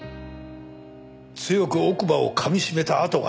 強く奥歯を噛みしめた痕があった。